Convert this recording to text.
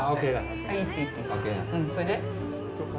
それで？